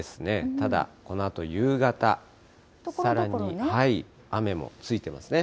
ただ、このあと夕方、さらに雨もついてますね。